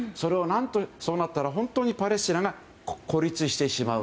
そうなったら本当にパレスチナが孤立してしまう。